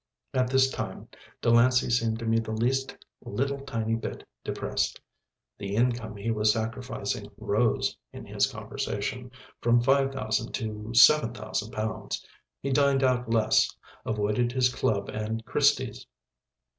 At this time Delancey seemed to me the least little tiny bit depressed. The income he was sacrificing rose (in his conversation) from 5,000 to 7,000 pounds. He dined out less, avoided his club and Christie's.